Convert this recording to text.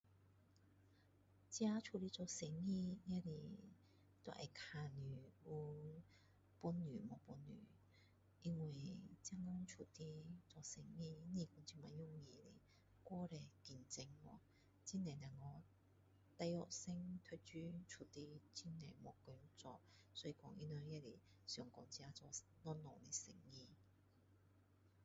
自己出来做生意也是要看你有本事没本事因为现今出来做生意不是那么容易的过多竞争很多大学生读书出来很多没工做所以他们也是自己想做小小的生意